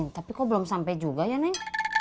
tapi kok belum sampai juga ya neng